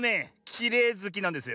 きれいずきなんですよ。